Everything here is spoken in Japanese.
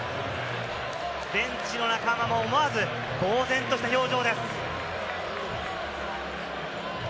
ベンチの仲間も思わず呆然とした表情です。